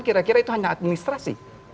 kira kira itu hanya administrasi